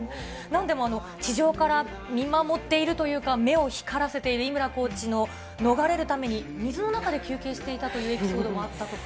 地上から見守っているというか、目を光らせている井村コーチから逃れるために水の中で休憩していたということもあったとか。